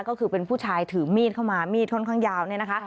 ก็คือเป็นผู้ชายถือมีดเข้ามามีดค่อนข้างยาวเนี่ยนะคะ